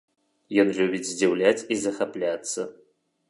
Ён любіць здзіўляць і захапляцца.